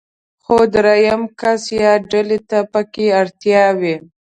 خو درېم کس يا ډلې ته پکې اړتيا وي.